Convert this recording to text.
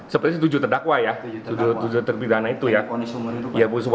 seperti tujuh terdakwa ya tujuh terpidana itu ya